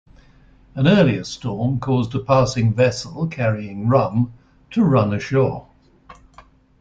An earlier storm caused a passing vessel carrying rum to run ashore.